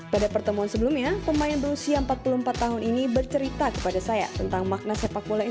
pada pertemuan sebelumnya pemain berusia empat puluh empat tahun ini bercerita kepada saya tentang makna sepak bola indonesia